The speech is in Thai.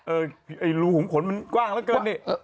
เออไอ้รูหุมขนมันกว้างเหลือเกินเนี่ย